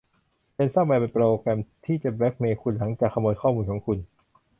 แรนซัมแวร์เป็นโปรแกรมที่จะแบลค์เมล์คุณหลังจากขโมยข้อมูลของคุณ